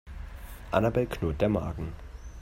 Annabel knurrt der Magen.